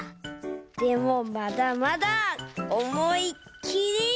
でもまだまだおもいっきり！